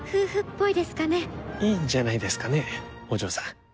いいんじゃないですかねお嬢さん。